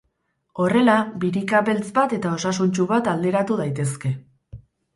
Horrela, birika beltz bat eta osasuntsu bat alderatu daitezke.